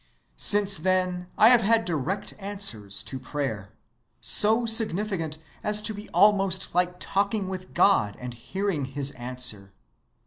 Since then I have had direct answers to prayer—so significant as to be almost like talking with God and hearing his answer.